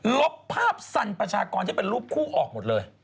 ลบภาพสันประชากรที่เป็นรูปคู่ออกหมดเลย